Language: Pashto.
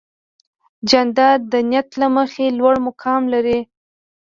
جانداد د نیت له مخې لوړ مقام لري.